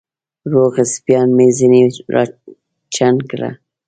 روغ سېبان مې ځيني راچڼ کړه